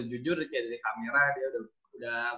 jujur kayak dari kamera dia udah